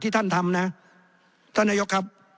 ท่านทำนะท่านนายกครับ